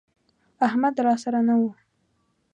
احمد راسره نه وي،